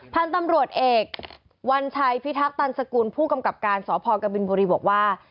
พันธุ์ตำรวจเอกวัญชัยพิทักตันสกุลผู้กำกับการสพกบินบุรีบอกว่า